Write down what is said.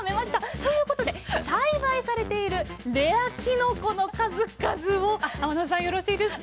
ということで栽培されているレアきのこの数々を天野さんよろしいですか？